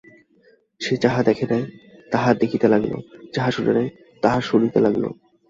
সে যাহা দেখে নাই তাহা দেখিতে লাগিল, যাহা শোনে নাই তাহা শুনিতে লাগিল।